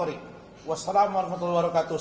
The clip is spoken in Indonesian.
wa salamu alaikum warahmatullahi wabarakatuh